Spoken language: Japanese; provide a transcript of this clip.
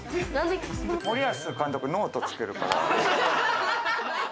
森保監督、ノートつけるから。